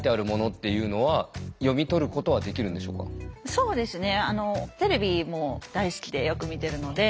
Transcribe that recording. そうですね。